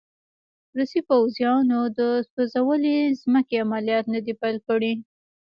روسي پوځیانو د سوځولې مځکې عملیات نه دي پیل کړي.